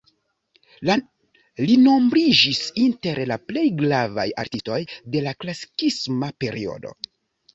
Li nombriĝis inter la plej gravaj artistoj de la klasikisma periodo.